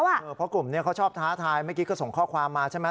เพราะกลุ่มนี้เขาชอบท้าทายเมื่อกี้ก็ส่งข้อความมาใช่ไหม